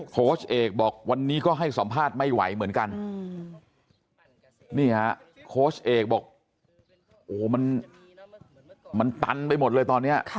โค้ชเอกบอกวันนี้ก็ให้สัมภาษณ์ไม่ไหวเหมือนกันนี่ฮะโค้ชเอกบอกโอ้โหมันตันไปหมดเลยตอนนี้